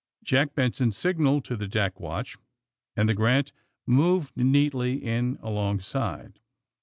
Jack Benson signaled to the deck watch, and the "'Grant" moved neatly in alongside.